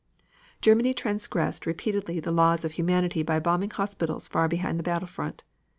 Germany transgressed repeatedly the laws of humanity by bombing hospitals far behind the battle front.